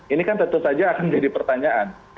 ini kan tentu saja akan jadi pertanyaan